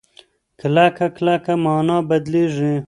کله کله مانا بدلېږي.